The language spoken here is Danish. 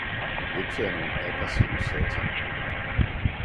Hvepse er nogle aggressive sataner.